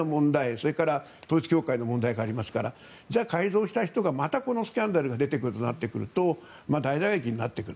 それから統一教会の問題がありますからじゃあ改造した人がまたこのスキャンダルが出てくるとなってくると大打撃になってくる。